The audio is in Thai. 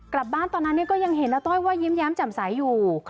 กลับบ้านตอนนั้นก็ยังเห็นอาต้อยว่ายิ้มแย้มจ่ำใสอยู่